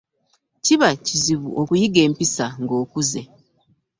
Kiba kizibu okuyiga empisa ng'okuze.